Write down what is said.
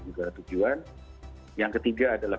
negara tujuan yang ketiga adalah